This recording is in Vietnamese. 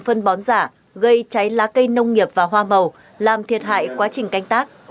phân bón giả gây cháy lá cây nông nghiệp và hoa màu làm thiệt hại quá trình canh tác